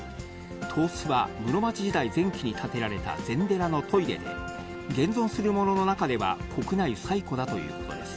東司は室町時代前期に建てられた禅寺のトイレで、現存するものの中では国内最古だということです。